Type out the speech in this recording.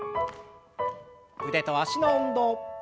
腕と脚の運動。